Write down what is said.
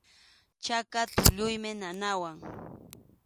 Chaka tulluymi nanawan.